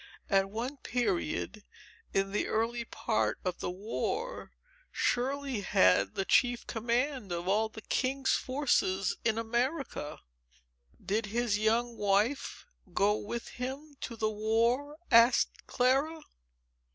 At one period, in the early part of the war, Shirley had the chief command of all the king's forces in America." "Did his young wife go with him to the war?" asked Clara.